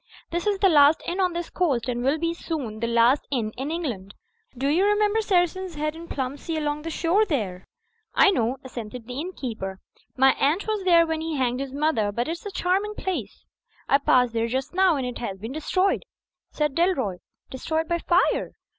"This is the last inn on this u,y,uz..u by Google 46 THE FLYING INN coast, and will soon be the last inn in England Do you remember the 'Saracen's Head' in Plumsea, along the shore there?" "I know," assented the innkeeper. "My aunt was there when he hanged his mother; but it's a charming place." "I passed there just now ; and it has been destroyed," said Dalroy. "Destroyed by fire?"